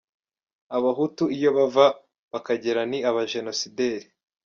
Abahutu iyo bava bakagera ni abajenosideri